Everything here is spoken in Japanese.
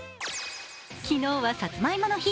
昨日はさつまいもの日。